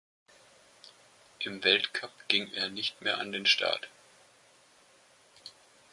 Im Weltcup ging er nicht mehr an den Start.